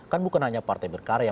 kan bukan hanya partai berkarya